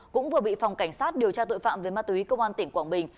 cũng vừa bị phòng cảnh sát điều tra tội phạm về ma túy công an tỉnh quảng bình